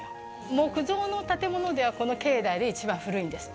木造の建物ではこの境内で一番古いんですよ。